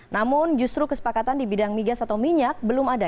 namun justru kesepakatan di bidang migas atau minyak belum ada